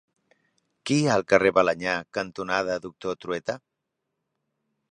Què hi ha al carrer Balenyà cantonada Doctor Trueta?